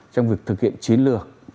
trong việc thực hiện chiến lược